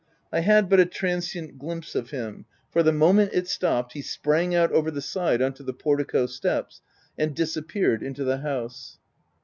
I had but a transient glimpse of him, for the moment it stopped, he sprang out over the side on to the portico steps, and disappeared into the house.